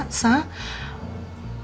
mau tahu apa